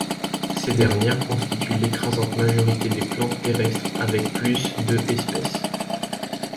Ces dernières constituent l'écrasante majorité des plantes terrestres avec plus de espèces.